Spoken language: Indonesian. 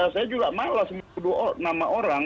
saya juga malas menyebut nama orang